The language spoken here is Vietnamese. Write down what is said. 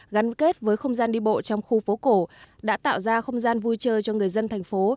gắn kết với không gian đi bộ trong khu phố cổ đã tạo ra không gian vui chơi cho người dân thành phố